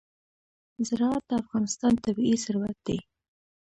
زراعت د افغانستان طبعي ثروت دی.